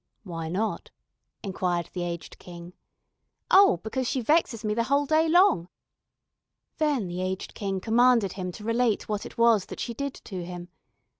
"Why not?" inquired the aged King. "Oh, because she vexes me the whole day long." Then the aged King commanded him to relate what it was that she did to him.